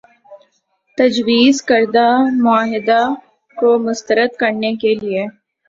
تجویزکردہ معاہدے کو مسترد کرنے کے لیے